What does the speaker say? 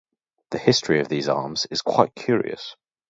The history of these arms is quite curious.